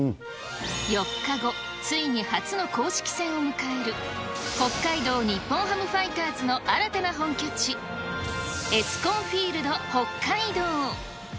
４日後、ついに初の公式戦を迎える、北海道日本ハムファイターズの新たな本拠地、エスコンフィールドホッカイドウ。